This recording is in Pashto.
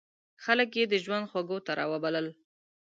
خلک یې د ژوند خوږو ته را وبلل.